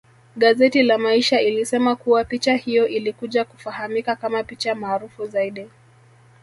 Gazeti la maisha ilisema kuwa picha hiyo ilikuja kufahamika kama picha maarufu zaidi